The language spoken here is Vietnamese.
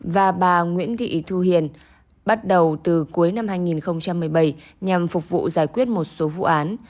và bà nguyễn thị thu hiền bắt đầu từ cuối năm hai nghìn một mươi bảy nhằm phục vụ giải quyết một số vụ án